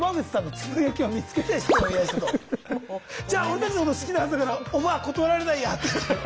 俺たちのこと好きなはずだからオファー断られないやっていって。